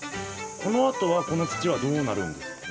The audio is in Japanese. このあとはこの土はどうなるんですかね？